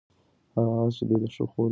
هغه آس چې دوی یې د ښخولو هوډ درلود راووت.